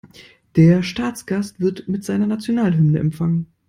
Der Staatsgast wird mit seiner Nationalhymne empfangen.